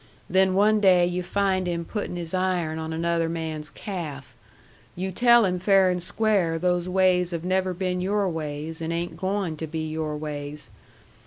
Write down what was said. Then one day you find him putting his iron on another man's calf. You tell him fair and square those ways have never been your ways and ain't going to be your ways.